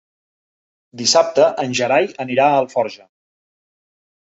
Dissabte en Gerai anirà a Alforja.